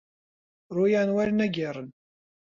ڕوویان وەرنەگێڕن